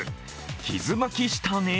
きづまきしたね？」